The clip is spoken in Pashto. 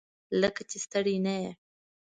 لکه چې ستړی نه یې؟